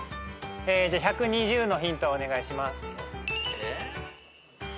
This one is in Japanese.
じゃあ１２０のヒントをお願いします。